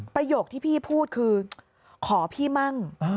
ประโยคที่พี่พูดคือขอพี่มั่ง